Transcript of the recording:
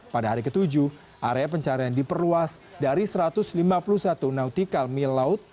pada hari ke tujuh area pencarian diperluas dari satu ratus lima puluh satu nautikal mil laut